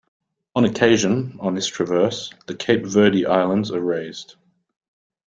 On occasion, on this traverse, the Cape Verde Islands are raised.